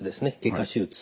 外科手術。